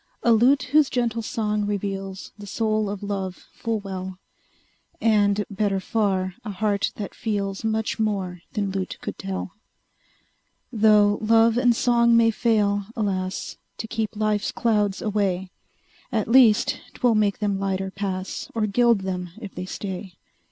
A lute whose gentle song reveals The soul of love full well; And, better far, a heart that feels Much more than lute could tell. Tho' love and song may fail, alas! To keep life's clouds away, At least 'twill make them lighter pass, Or gild them if they stay.